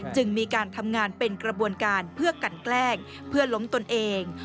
จึงมีการทำงานเป็นกระบวนการเพื่อกันแกล้งเพื่อล้มตนเอง